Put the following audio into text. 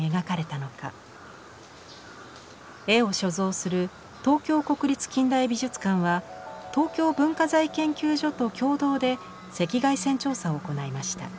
絵を所蔵する東京国立近代美術館は東京文化財研究所と共同で赤外線調査を行いました。